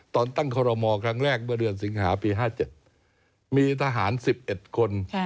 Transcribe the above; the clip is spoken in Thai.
ตอนตั้งคอรมอลครั้งแรกเมื่อเดือนสิงหาปี๕๗มีทหาร๑๑คน